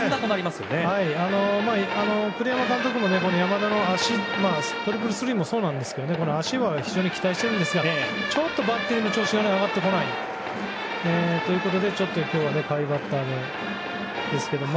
栗山監督も山田の足トリプルスリーもそうなんですが足に非常に期待していたんですがちょっとバッティングの調子が上がってこないということでちょっと今日は下位バッターですけども。